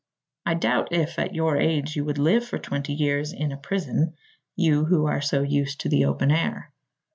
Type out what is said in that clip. I doubt if, at your age, you would live for twenty years in a prison you who are so used to the open air.